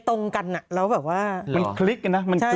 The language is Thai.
ต้องมีแต่คนในโซเชียลว่าถ้ามีข่าวแบบนี้บ่อยทำไมถึงเชื่อขนาดใด